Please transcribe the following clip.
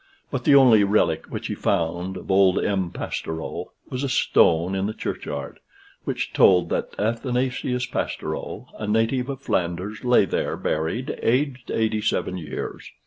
But the only relique which he found of old M. Pastoureau was a stone in the churchyard, which told that Athanasius Pastoureau, a native of Flanders, lay there buried, aged 87 years.